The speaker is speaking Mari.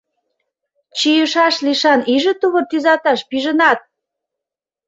Чийышаш лишан иже тувыр тӱзаташ пижынат!..